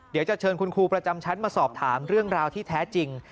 เดี๋ยวจะเชิญคุณครูประจำชั้นมาสอบถามเรื่องราวที่แท้จริง